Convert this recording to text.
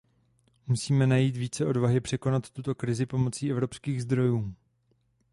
Musíme najít více odvahy překonat tuto krizi pomocí evropských zdrojů.